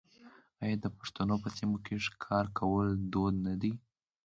آیا د پښتنو په سیمو کې ښکار کول دود نه دی؟